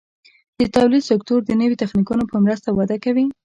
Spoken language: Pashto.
د تولید سکتور د نوي تخنیکونو په مرسته وده کوي.